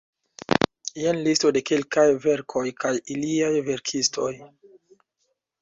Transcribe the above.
Jen listo de kelkaj verkoj kaj iliaj verkistoj.